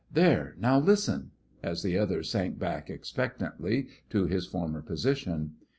There, now listen," as the other sank back expectantly to his former position.